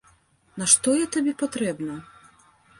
Нашто я табе патрэбна?